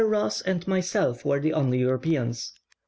Ross and myself were the only Europeans.